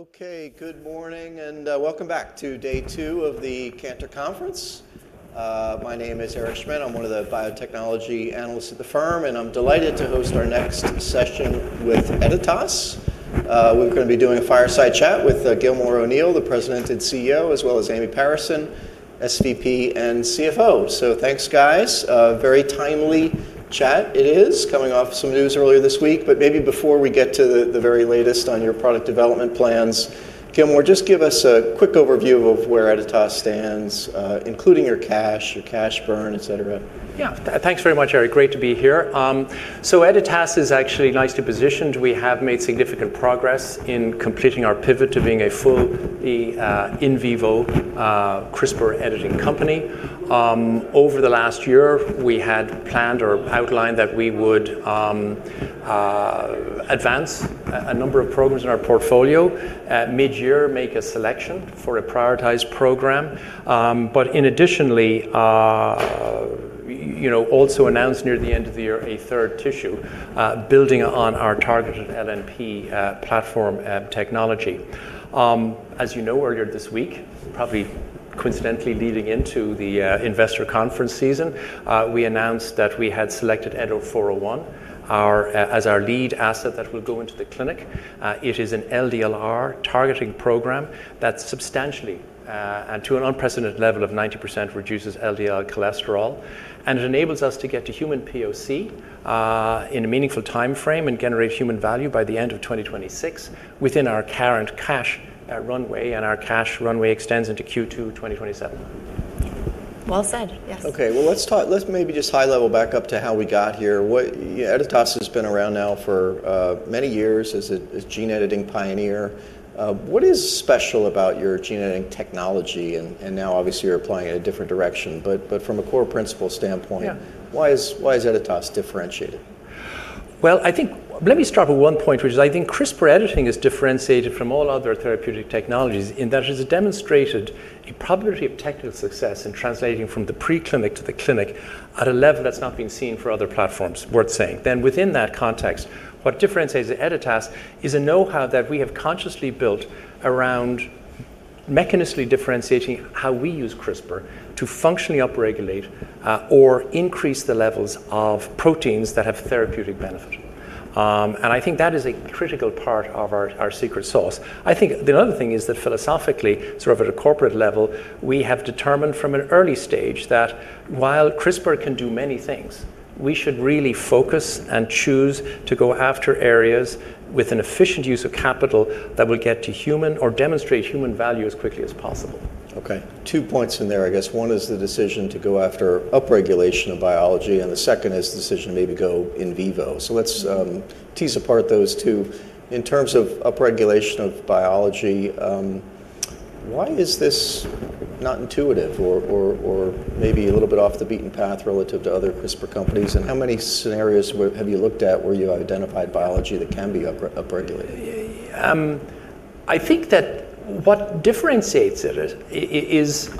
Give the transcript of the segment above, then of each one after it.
Okay, good morning, and welcome back to day two of the Cantor Conference. My name is Eric Schmidt. I'm one of the biotechnology analysts at the firm, and I'm delighted to host our next session with Editas. We're gonna be doing a fireside chat with Gilmore O'Neill, the President and CEO, as well as Erick Lucera, SVP and CFO. So thanks, guys. A very timely chat it is, coming off some news earlier this week. But maybe before we get to the very latest on your product development plans, Gilmore, just give us a quick overview of where Editas stands, including your cash, your cash burn, etc. Yeah. Thanks very much, Eric. Great to be here. So Editas is actually nicely positioned. We have made significant progress in completing our pivot to being a fully, in vivo, CRISPR editing company. Over the last year, we had planned or outlined that we would advance a number of programs in our portfolio, at mid-year make a selection for a prioritized program, but in additionally, you know, also announce near the end of the year a third tissue, building on our targeted LNP platform technology. As you know, earlier this week, probably coincidentally leading into the investor conference season, we announced that we had selected EDIT-401, our as our lead asset that will go into the clinic. It is an LDLR-targeting program that substantially and to an unprecedented level of 90% reduces LDL cholesterol, and it enables us to get to human POC in a meaningful timeframe and generate human value by the end of 2026 within our current cash runway, and our cash runway extends into Q2 2027. Well said, yes. Okay, well, let's talk. Let's maybe just high-level back up to how we got here. What Editas has been around now for many years as a gene-editing pioneer. What is special about your gene-editing technology? And now obviously you're applying it in a different direction, but from a core principle standpoint- Yeah Why is Editas differentiated? I think, let me start with one point, which is, I think CRISPR editing is differentiated from all other therapeutic technologies in that it has demonstrated a probability of technical success in translating from the pre-clinic to the clinic at a level that's not been seen for other platforms, worth saying. Then within that context, what differentiates Editas is a know-how that we have consciously built around mechanistically differentiating how we use CRISPR to functionally upregulate or increase the levels of proteins that have therapeutic benefit. And I think that is a critical part of our secret sauce. I think the other thing is that philosophically, sort of at a corporate level, we have determined from an early stage that while CRISPR can do many things, we should really focus and choose to go after areas with an efficient use of capital that will get to human or demonstrate human value as quickly as possible. Okay, two points in there, I guess. One is the decision to go after upregulation of biology, and the second is the decision to maybe go in vivo. So let's tease apart those two. In terms of upregulation of biology, why is this not intuitive or maybe a little bit off the beaten path relative to other CRISPR companies? And how many scenarios have you looked at where you identified biology that can be upregulated? I think that what differentiates it,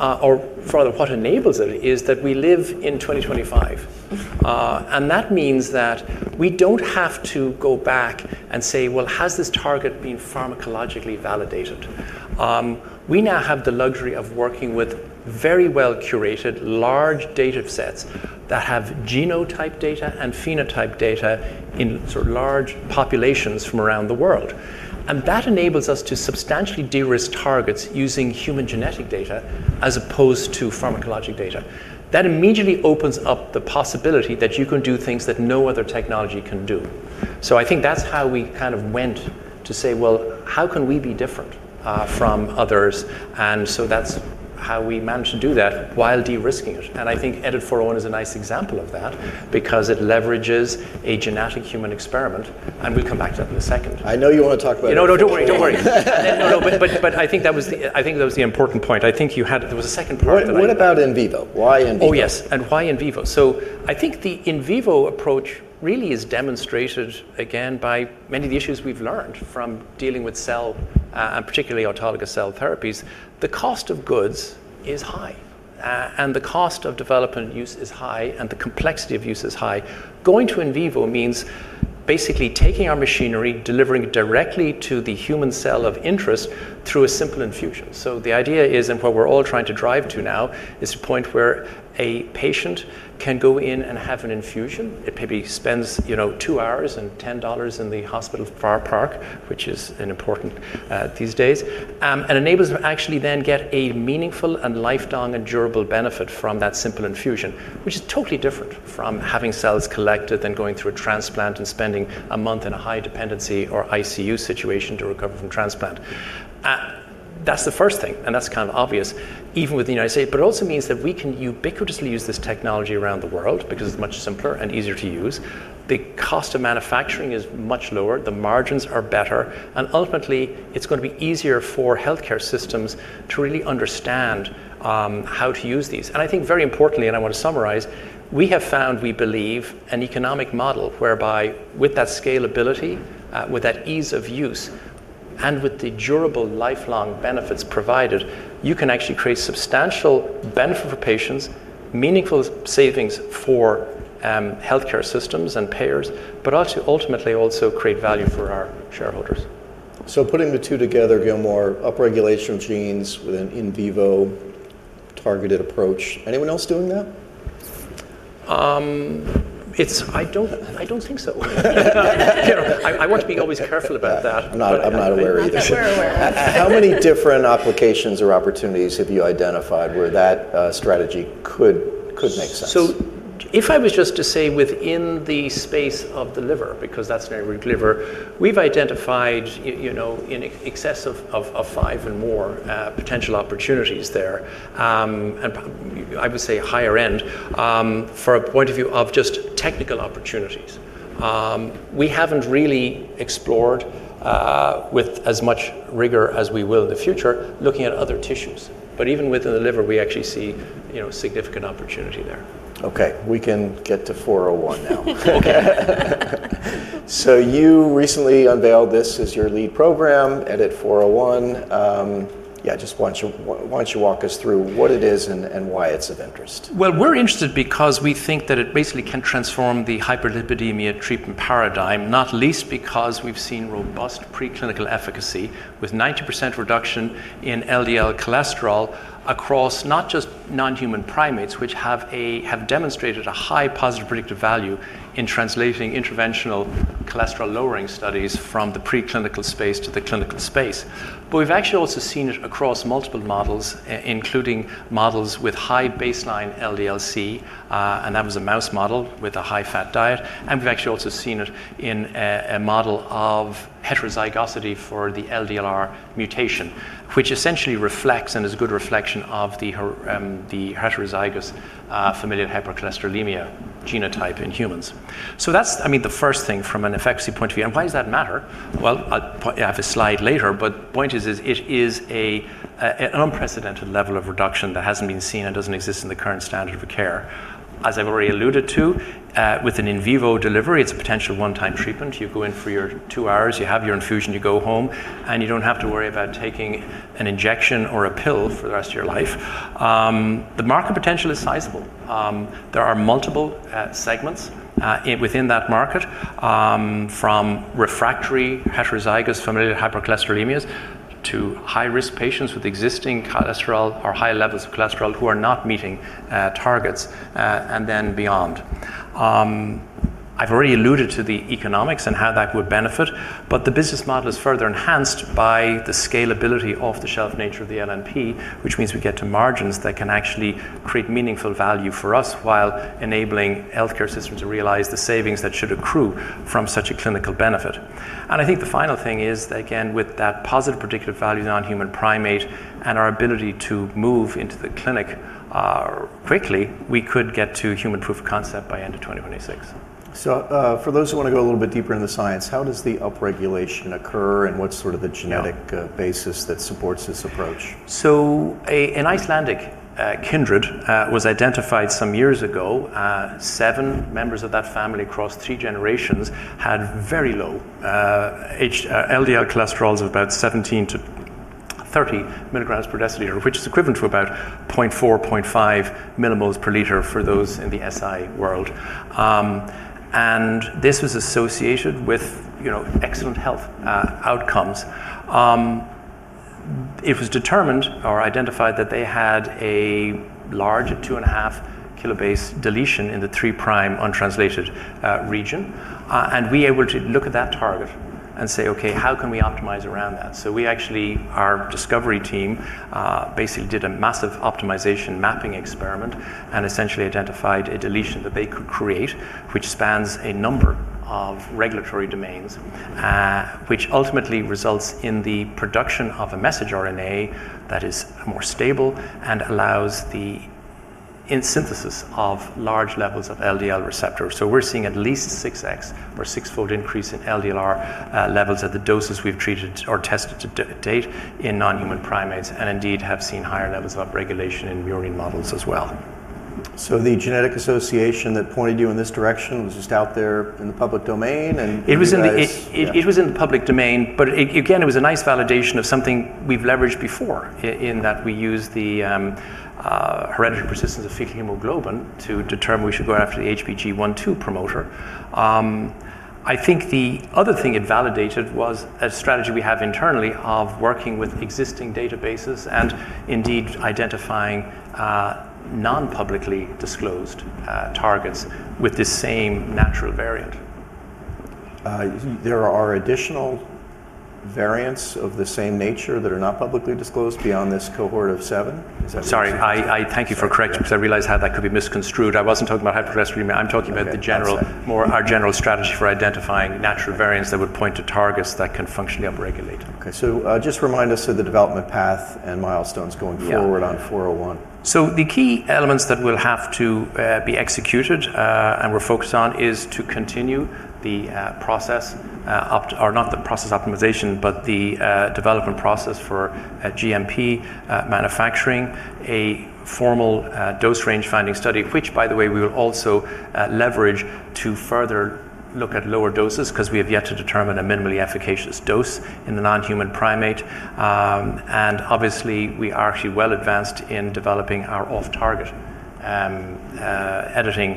or rather what enables it, is that we live in 2025, and that means that we don't have to go back and say, "Well, has this target been pharmacologically validated?" We now have the luxury of working with very well-curated, large data sets that have genotype data and phenotype data in sort of large populations from around the world, and that enables us to substantially de-risk targets using human genetic data as opposed to pharmacologic data. That immediately opens up the possibility that you can do things that no other technology can do, so I think that's how we kind of went to say, "Well, how can we be different from others?" and so that's how we managed to do that while de-risking it. I think EDIT-401 is a nice example of that because it leverages a genetic human experiment, and we'll come back to that in a second. I know you want to talk about it- No, no, don't worry, don't worry. No, no, but I think that was the... I think that was the important point. I think you had... There was a second part- What about in vivo? Why in vivo? Oh, yes, and why in vivo? So I think the in vivo approach really is demonstrated, again, by many of the issues we've learned from dealing with cell, and particularly autologous cell therapies. The cost of goods is high, and the cost of development use is high, and the complexity of use is high. Going to in vivo means basically taking our machinery, delivering it directly to the human cell of interest through a simple infusion. So the idea is, and what we're all trying to drive to now, is a point where a patient can go in and have an infusion, and maybe spends, you know, two hours and $10 in the hospital parking, which is important these days, and enables them to actually then get a meaningful and lifelong and durable benefit from that simple infusion, which is totally different from having cells collected, then going through a transplant and spending a month in a high dependency or ICU situation to recover from transplant. That's the first thing, and that's kind of obvious, even within the United States, but it also means that we can ubiquitously use this technology around the world because it's much simpler and easier to use. The cost of manufacturing is much lower, the margins are better, and ultimately, it's going to be easier for healthcare systems to really understand how to use these. And I think very importantly, and I want to summarize, we have found, we believe, an economic model whereby with that scalability, with that ease of use, and with the durable lifelong benefits provided, you can actually create substantial benefit for patients, meaningful savings for healthcare systems and payers, but also ultimately also create value for our shareholders. So putting the two together, Gilmore, upregulation of genes with an in vivo targeted approach. Anyone else doing that? I don't think so. You know, I want to be always careful about that. I'm not, I'm not aware either. I think we're aware. How many different applications or opportunities have you identified where that strategy could make sense? If I was just to say within the space of the liver, because that's very rich, we've identified you know in excess of five and more potential opportunities there. I would say higher end for a point of view of just technical opportunities. We haven't really explored with as much rigor as we will in the future, looking at other tissues, but even within the liver, we actually see you know significant opportunity there. Okay, we can get to 401 now. Okay. So you recently unveiled this as your lead program, EDIT-401. Yeah, just why don't you walk us through what it is and why it's of interest? We're interested because we think that it basically can transform the hyperlipidemia treatment paradigm, not least because we've seen robust preclinical efficacy, with 90% reduction in LDL cholesterol across not just non-human primates, which have demonstrated a high positive predictive value in translating interventional cholesterol-lowering studies from the preclinical space to the clinical space. But we've actually also seen it across multiple models, including models with high baseline LDL-C, and that was a mouse model with a high-fat diet, and we've actually also seen it in a model of heterozygosity for the LDLR mutation, which essentially reflects, and is a good reflection of the heterozygous familial hypercholesterolemia genotype in humans. So that's, I mean, the first thing from an efficacy point of view. And why does that matter? I have a slide later, but point is, it is an unprecedented level of reduction that hasn't been seen and doesn't exist in the current standard of care. As I've already alluded to, with an in vivo delivery, it's a potential one-time treatment. You go in for your two hours, you have your infusion, you go home, and you don't have to worry about taking an injection or a pill for the rest of your life. The market potential is sizable. There are multiple segments within that market, from refractory heterozygous familial hypercholesterolemias, to high-risk patients with existing cholesterol or high levels of cholesterol who are not meeting targets, and then beyond. I've already alluded to the economics and how that would benefit, but the business model is further enhanced by the scalability off-the-shelf nature of the LNP, which means we get to margins that can actually create meaningful value for us, while enabling healthcare systems to realize the savings that should accrue from such a clinical benefit. And I think the final thing is that, again, with that positive predictive value in non-human primate and our ability to move into the clinic, quickly, we could get to human proof of concept by end of 2026. So, for those who wanna go a little bit deeper in the science, how does the upregulation occur, and what's sort of the genetic- Yeah basis that supports this approach? So an Icelandic kindred was identified some years ago. Seven members of that family across three generations had very low LDL cholesterols of about 17-30 milligrams per deciliter, which is equivalent to about 0.4-0.5 millimoles per liter for those in the SI world. And this was associated with, you know, excellent health outcomes. It was determined or identified that they had a large two-and-a-half kilobase deletion in the 3' untranslated region. And we were able to look at that target and say, "Okay, how can we optimize around that?" So we actually... Our discovery team basically did a massive optimization mapping experiment, and essentially identified a deletion that they could create, which spans a number of regulatory domains, which ultimately results in the production of a messenger RNA that is more stable and allows the increased synthesis of large levels of LDL receptors. So we're seeing at least six x or sixfold increase in LDLR levels at the doses we've treated or tested to date in non-human primates, and indeed have seen higher levels of upregulation in murine models as well. So the genetic association that pointed you in this direction was just out there in the public domain, and you guys- It was in the- Yeah It was in the public domain, but again, it was a nice validation of something we've leveraged before in that we used the hereditary persistence of fetal hemoglobin to determine we should go after the HBG1/2 promoter. I think the other thing it validated was a strategy we have internally of working with existing databases and indeed identifying non-publicly disclosed targets with this same natural variant. There are additional variants of the same nature that are not publicly disclosed beyond this cohort of seven? Is that what you're saying- Sorry, I thank you for correcting- Sorry, yeah because I realize how that could be misconstrued. I wasn't talking about hypercholesterolemia. I'm talking about the general-more on our general strategy for identifying natural variants that would point to targets that can functionally upregulate. Okay, so, just remind us of the development path and milestones going forward? On 401. So the key elements that will have to be executed, and we're focused on, is to continue the process, opt- or not the process optimization, but the development process for GMP manufacturing, a formal dose range finding study, which by the way, we will also leverage to further look at lower doses, 'cause we have yet to determine a minimally efficacious dose in the non-human primate, and obviously, we are actually well advanced in developing our off-target editing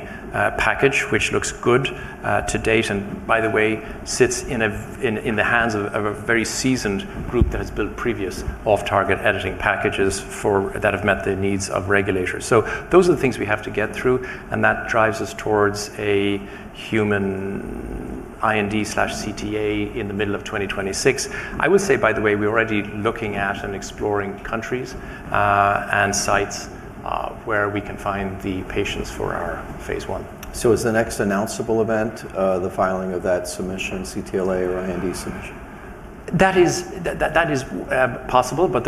package, which looks good to date, and by the way, sits in the hands of a very seasoned group that has built previous off-target editing packages for... that have met the needs of regulators. So those are the things we have to get through, and that drives us towards a human-... IND/CTA in the middle of 2026. I would say, by the way, we're already looking at and exploring countries, and sites, where we can find the patients for our phase I. Is the next announceable event the filing of that submission, CTA or IND submission? That is possible, but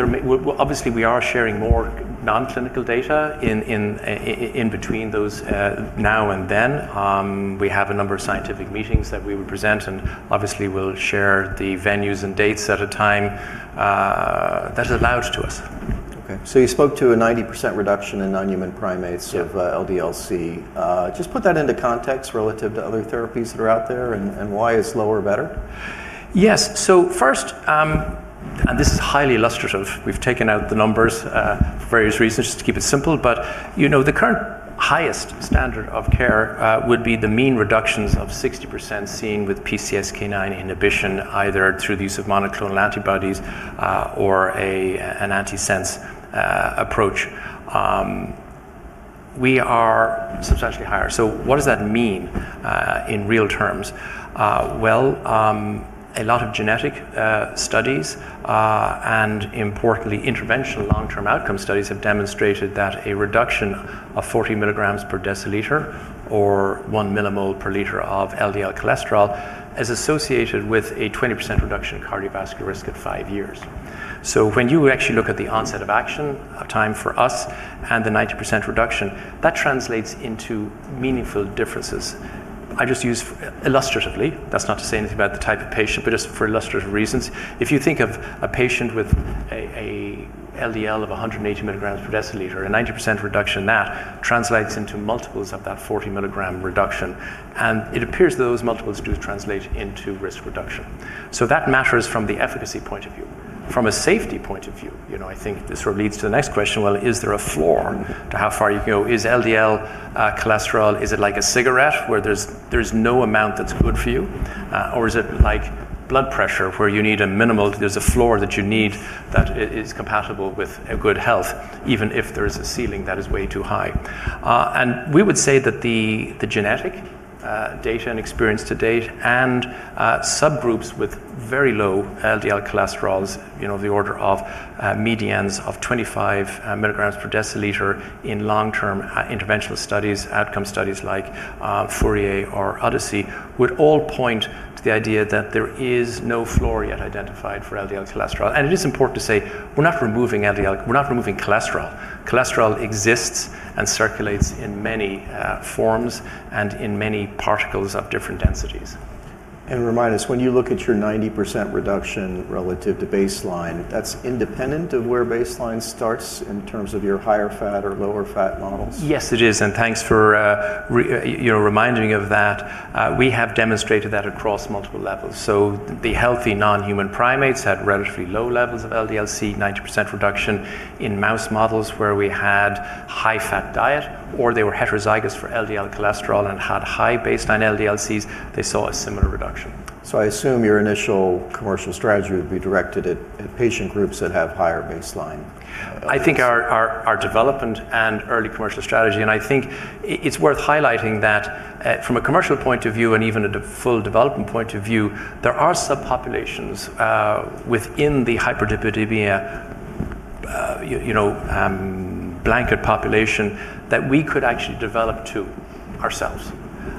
obviously, we are sharing more non-clinical data in between those now and then. We have a number of scientific meetings that we will present, and obviously we'll share the venues and dates at a time that is allowed to us. Okay. So you spoke to a 90% reduction in non-human primates- Yeah Of, LDL-C. Just put that into context relative to other therapies that are out there, and why is lower better? Yes. So first, and this is highly illustrative, we've taken out the numbers, for various reasons, just to keep it simple. But, you know, the current highest standard of care would be the mean reductions of 60% seen with PCSK9 inhibition, either through the use of monoclonal antibodies, or an antisense approach. We are substantially higher. So what does that mean in real terms? Well, a lot of genetic studies, and importantly, interventional long-term outcome studies have demonstrated that a reduction of 40 milligrams per deciliter or 1 millimole per liter of LDL cholesterol is associated with a 20% reduction in cardiovascular risk at 5 years. So when you actually look at the onset of action, of time for us, and the 90% reduction, that translates into meaningful differences. I just use illustratively, that's not to say anything about the type of patient, but just for illustrative reasons. If you think of a patient with a LDL of 180 milligrams per deciliter, a 90% reduction in that translates into multiples of that 40 mg reduction, and it appears those multiples do translate into risk reduction. So that matters from the efficacy point of view. From a safety point of view, you know, I think this sort of leads to the next question, well, is there a floor to how far you can go? Is LDL cholesterol, is it like a cigarette, where there's no amount that's good for you? Or is it like blood pressure, where you need a minimal... There's a floor that you need that is compatible with a good health, even if there is a ceiling that is way too high. And we would say that the, the genetic, data and experience to date, and, subgroups with very low LDL cholesterols, you know, the order of, medians of 25 milligrams per deciliter in long-term, interventional studies, outcome studies like, FOURIER or ODYSSEY, would all point to the idea that there is no floor yet identified for LDL cholesterol. And it is important to say, we're not removing LDL, we're not removing cholesterol. Cholesterol exists and circulates in many, forms and in many particles of different densities. Remind us, when you look at your 90% reduction relative to baseline, that's independent of where baseline starts in terms of your higher fat or lower fat models? Yes, it is, and thanks for, you know, reminding me of that. We have demonstrated that across multiple levels. So the healthy non-human primates had relatively low levels of LDL-C, 90% reduction. In mouse models where we had high-fat diet, or they were heterozygous for LDL cholesterol and had high baseline LDL-Cs, they saw a similar reduction. So I assume your initial commercial strategy would be directed at patient groups that have higher baseline LDL-C? I think our development and early commercial strategy, and I think it's worth highlighting that, from a commercial point of view, and even at a full development point of view, there are subpopulations, within the hyperlipidemia, you know, blanket population that we could actually develop to ourselves.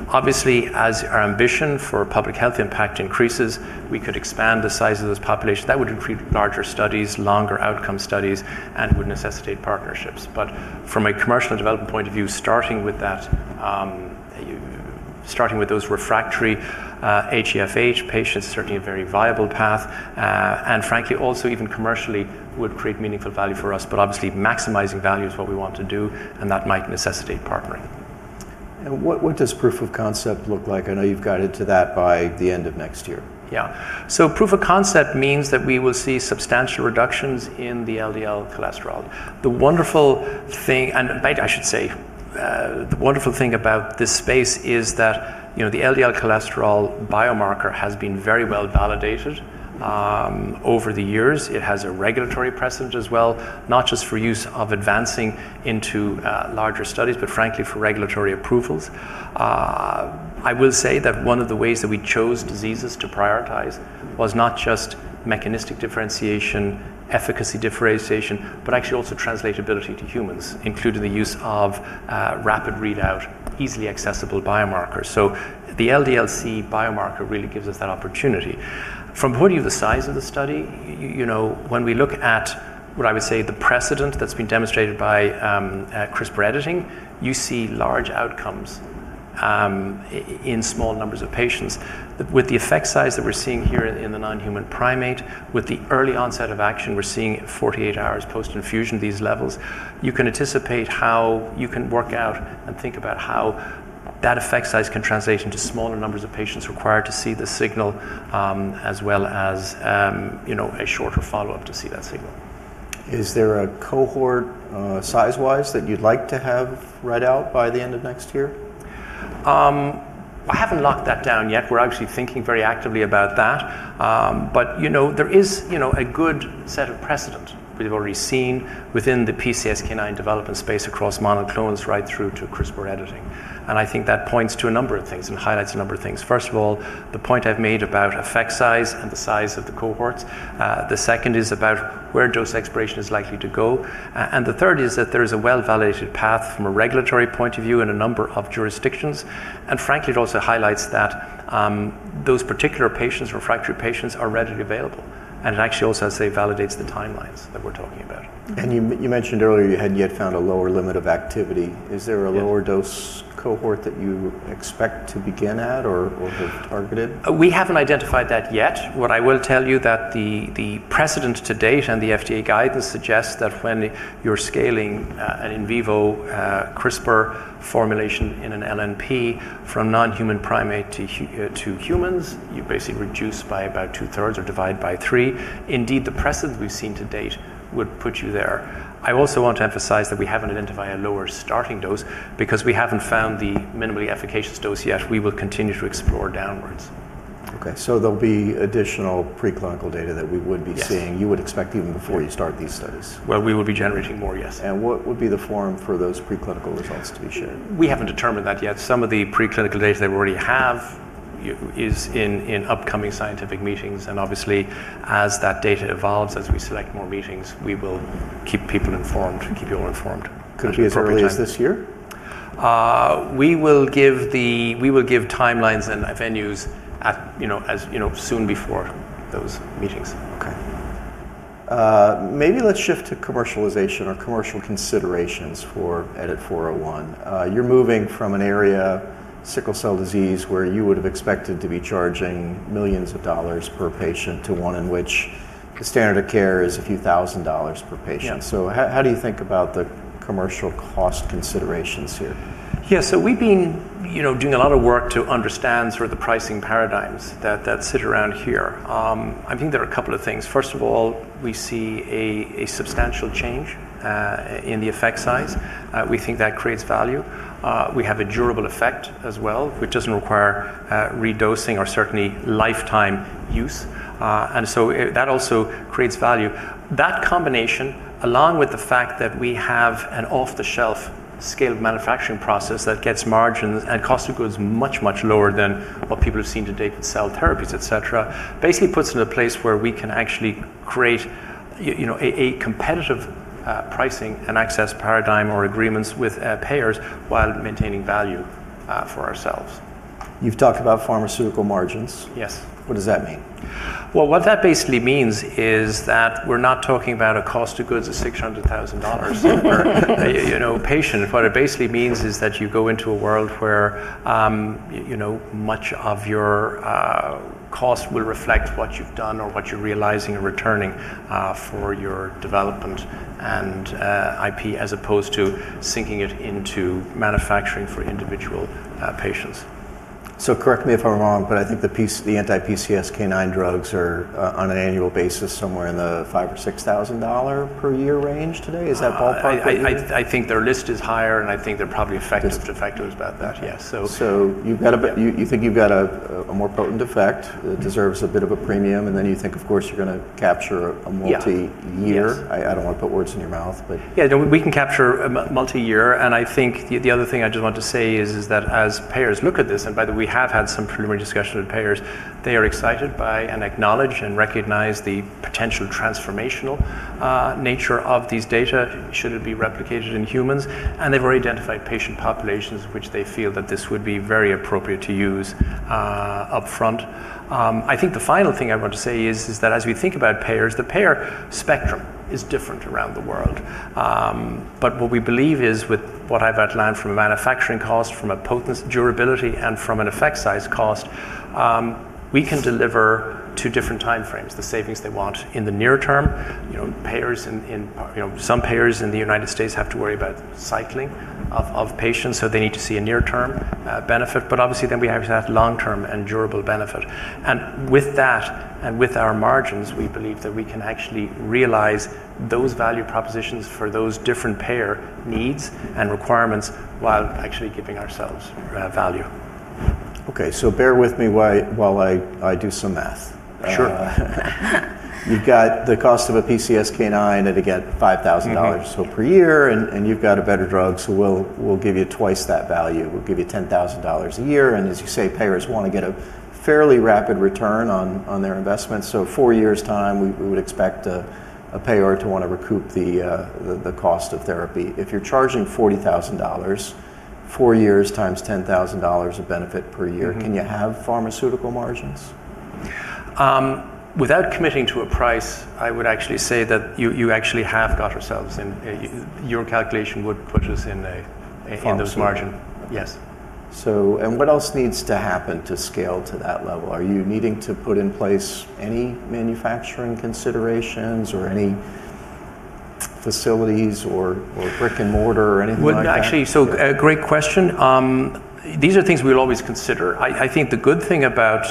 Obviously, as our ambition for public health impact increases, we could expand the size of this population. That would require larger studies, longer outcome studies, and would necessitate partnerships. From a commercial development point of view, starting with that, starting with those refractory, HeFH patients, certainly a very viable path, and frankly, also even commercially would create meaningful value for us. Obviously, maximizing value is what we want to do, and that might necessitate partnering. What does proof of concept look like? I know you've got it to that by the end of next year. Yeah. So proof of concept means that we will see substantial reductions in the LDL cholesterol. The wonderful thing... And might I should say, the wonderful thing about this space is that, you know, the LDL cholesterol biomarker has been very well validated, over the years. It has a regulatory precedent as well, not just for use of advancing into, larger studies, but frankly, for regulatory approvals. I will say that one of the ways that we chose diseases to prioritize was not just mechanistic differentiation, efficacy differentiation, but actually also translatability to humans, including the use of, rapid readout, easily accessible biomarkers. So the LDL-C biomarker really gives us that opportunity. From the point of view of the size of the study, you know, when we look at what I would say the precedent that's been demonstrated by CRISPR editing, you see large outcomes in small numbers of patients. With the effect size that we're seeing here in the non-human primate, with the early onset of action, we're seeing at forty-eight hours post-infusion, these levels, you can anticipate how you can work out and think about how that effect size can translate into smaller numbers of patients required to see the signal, as well as, you know, a shorter follow-up to see that signal. Is there a cohort, size-wise that you'd like to have read out by the end of next year? I haven't locked that down yet. We're actually thinking very actively about that, but, you know, there is, you know, a good set of precedents we've already seen within the PCSK9 development space across monoclonals right through to CRISPR editing, and I think that points to a number of things and highlights a number of things. First of all, the point I've made about effect size and the size of the cohorts. The second is about where dose exploration is likely to go, and the third is that there is a well-validated path from a regulatory point of view in a number of jurisdictions, and frankly, it also highlights that those particular patients, refractory patients, are readily available, and it actually also, I'd say, validates the timelines that we're talking about. You, you mentioned earlier you hadn't yet found a lower limit of activity. Yeah. Is there a lower dose cohort that you expect to begin at or have targeted? We haven't identified that yet. What I will tell you that the precedent to date and the FDA guidance suggests that when you're scaling an in vivo CRISPR formulation in an LNP from non-human primate to humans, you basically reduce by about two-thirds or divide by three. Indeed, the precedent we've seen to date would put you there. I also want to emphasize that we haven't identified a lower starting dose because we haven't found the minimally efficacious dose yet. We will continue to explore downwards. Okay, so there'll be additional preclinical data that we would be seeing- Yes You would expect even before you start these studies? We will be generating more, yes. What would be the forum for those preclinical results to be shared? We haven't determined that yet. Some of the preclinical data that we already have is in upcoming scientific meetings, and obviously, as that data evolves, as we select more meetings, we will keep people informed, keep you all informed at the appropriate time. Could it be as early as this year? We will give timelines and venues at, you know, as, you know, soon before those meetings. Okay. Maybe let's shift to commercialization or commercial considerations for EDIT-401. You're moving from an area, sickle cell disease, where you would have expected to be charging millions of dollars per patient to one in which the standard of care is a few thousand dollars per patient. Yeah. So how do you think about the commercial cost considerations here? Yeah, so we've been, you know, doing a lot of work to understand sort of the pricing paradigms that sit around here. I think there are a couple of things. First of all, we see a substantial change in the effect size. We think that creates value. We have a durable effect as well, which doesn't require redosing or certainly lifetime use. And so that also creates value. That combination, along with the fact that we have an off-the-shelf scaled manufacturing process that gets margins and cost of goods much, much lower than what people have seen to date with cell therapies, et cetera, basically puts us in a place where we can actually create you know, a competitive pricing and access paradigm or agreements with payers while maintaining value for ourselves. You've talked about pharmaceutical margins. Yes. What does that mean? What that basically means is that we're not talking about a cost of goods of $600,000 per patient. What it basically means is that you go into a world where, you know, much of your cost will reflect what you've done or what you're realizing and returning for your development and IP, as opposed to sinking it into manufacturing for individual patients. Correct me if I'm wrong, but I think the anti-PCSK9 drugs are, on an annual basis, somewhere in the $5,000-$6,000 per year range today? Is that ballpark accurate? I think their list is higher, and I think they're probably effective-list de facto is about that, yes, so. So you think you've got a more potent effect that deserves a bit of a premium, and then you think, of course, you're gonna capture a multiyear. Yeah. Yes. I don't want to put words in your mouth, but- Yeah, no, we can capture a multiyear, and I think the other thing I just want to say is that as payers look at this, and by the way, we have had some preliminary discussions with payers, they are excited by and acknowledge and recognize the potential transformational nature of these data, should it be replicated in humans, and they've already identified patient populations which they feel that this would be very appropriate to use upfront. I think the final thing I want to say is that as we think about payers, the payer spectrum is different around the world, but what we believe is, with what I've outlined from a manufacturing cost, from a potency, durability, and from an effect size cost, we can deliver two different timeframes, the savings they want in the near term. You know, some payers in the United States have to worry about cycling of patients, so they need to see a near-term benefit, but obviously, then we have to have long-term and durable benefit, and with that and with our margins, we believe that we can actually realize those value propositions for those different payer needs and requirements while actually giving ourselves value. Okay, so bear with me while I do some math. Sure. You've got the cost of a PCSK9, and again, $5,000. So per year, and you've got a better drug, so we'll give you twice that value. We'll give you $10,000 a year, and as you say, payers want to get a fairly rapid return on their investments. So four years' time, we would expect a payer to want to recoup the cost of therapy. If you're charging $40,000, four years times $10,000 of benefit per year- Can you have pharmaceutical margins? Without committing to a price, I would actually say that you actually have got ourselves in the margin. Your calculation would put us in the margin. Pharmaceutical. Yes. What else needs to happen to scale to that level? Are you needing to put in place any manufacturing considerations or any facilities or brick-and-mortar or anything like that? Actually, so a great question. These are things we'll always consider. I think the good thing about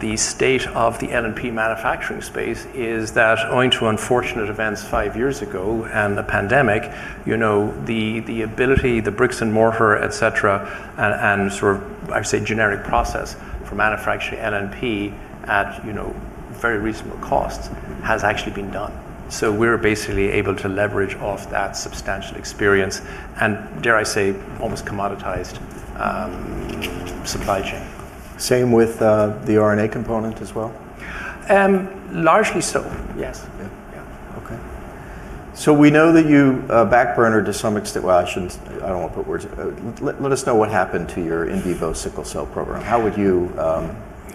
the state of the LNP manufacturing space is that owing to unfortunate events five years ago and the pandemic, you know, the ability, the bricks-and-mortar, et cetera, and sort of, I would say, generic process for manufacturing LNP at, you know, very reasonable costs, has actually been done. We're basically able to leverage off that substantial experience, and dare I say, almost commoditized supply chain. Same with, the RNA component as well? Largely so, yes. Yeah. Yeah, okay. So we know that you back-burnered to some extent... Well, I shouldn't, I don't want to put words. Let us know what happened to your in vivo sickle cell program. How would you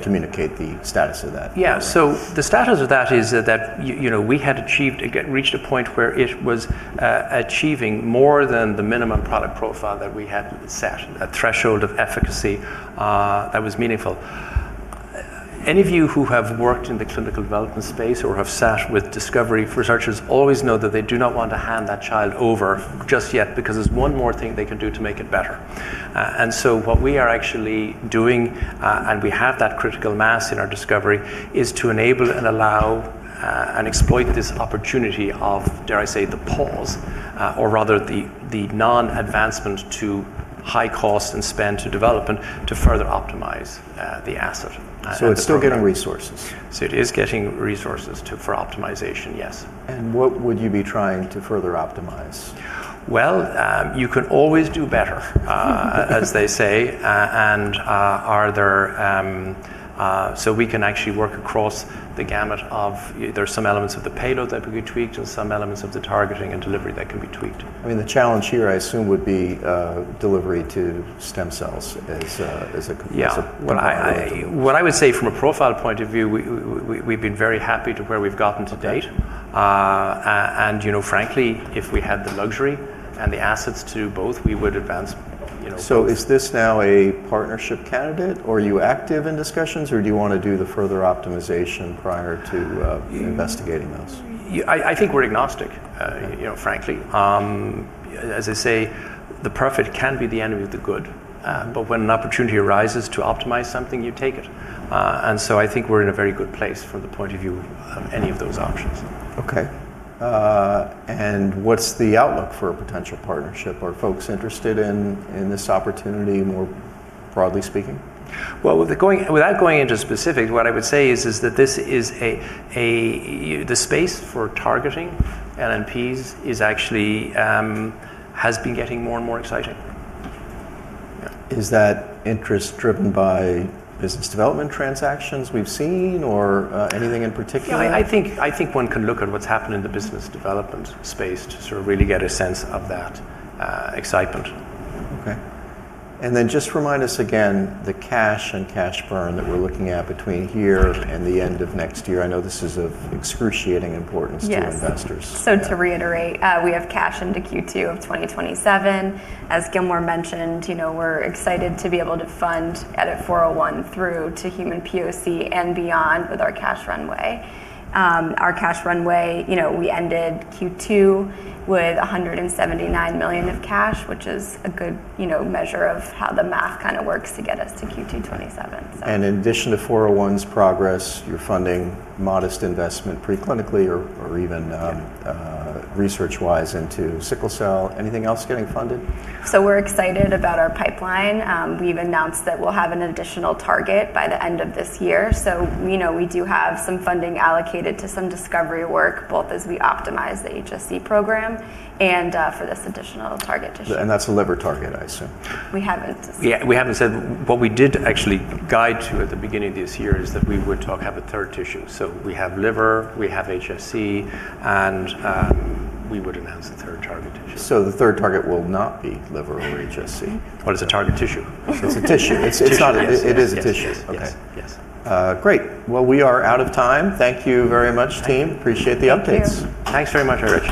communicate the status of that? Yeah, so the status of that is that, you know, we had achieved, again, reached a point where it was achieving more than the minimum product profile that we had set, a threshold of efficacy that was meaningful. Any of you who have worked in the clinical development space or have sat with discovery researchers always know that they do not want to hand that child over just yet because there's one more thing they can do to make it better. And so what we are actually doing, and we have that critical mass in our discovery, is to enable and allow, and exploit this opportunity of, dare I say, the pause, or rather the non-advancement to high cost and spend to development to further optimize the asset, and the program. So it's still getting resources? So it is getting resources to, for optimization, yes. What would you be trying to further optimize? Well, you can always do better, as they say. And so we can actually work across the gamut of, there are some elements of the payload that could be tweaked or some elements of the targeting and delivery that can be tweaked. I mean, the challenge here, I assume, would be delivery to stem cells as a- Yeah What I would say from a profile point of view, we've been very happy to where we've gotten to date. Okay. you know, frankly, if we had the luxury and the assets to do both, we would advance, you know. Is this now a partnership candidate, or are you active in discussions, or do you want to do the further optimization prior to investigating this? Yeah, I think we're agnostic, you know, frankly. As I say, the perfect can be the enemy of the good, but when an opportunity arises to optimize something, you take it. And so I think we're in a very good place from the point of view of any of those options. Okay. And what's the outlook for a potential partnership? Are folks interested in this opportunity, more broadly speaking? Without going into specifics, what I would say is that this is the space for targeting LNPs is actually has been getting more and more exciting. Is that interest driven by business development transactions we've seen or, anything in particular? Yeah, I think one can look at what's happened in the business development space to sort of really get a sense of that excitement. Okay, and then just remind us again, the cash and cash burn that we're looking at between here and the end of next year. I know this is of excruciating importance to investors. Yes. Yeah. So to reiterate, we have cash into Q2 of 2027. As Gilmore mentioned, you know, we're excited to be able to fund EDIT-401 through to human POC and beyond with our cash runway. Our cash runway, you know, we ended Q2 with $179 million of cash, which is a good, you know, measure of how the math kind of works to get us to Q2 2027, so. And in addition to EDIT-401's progress, you're funding modest investment preclinically or evenresearch-wise into sickle cell. Anything else getting funded? So we're excited about our pipeline. We've announced that we'll have an additional target by the end of this year. So we know we do have some funding allocated to some discovery work, both as we optimize the HSC program and for this additional target tissue. That's a liver target, I assume. We haven't said. Yeah, we haven't said. What we did actually guide to at the beginning of this year is that we would talk, have a third tissue. So we have liver, we have HSC, and we would announce the third target tissue. So the third target will not be liver or HSC? It's a target tissue. It's a tissue. Tissue, yes. It's not... It is a tissue. Yes. Yes. Okay. Yes. Great. We are out of time. Thank you very much, team. Thank you. Appreciate the updates. Thank you. Thanks very much, Eric.